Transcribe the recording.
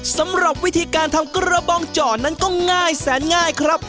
สำหรับวิธีการทำกระบองเจาะนั้นก็ง่ายแสนง่ายครับ